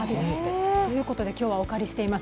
ということで今日はお借りしています。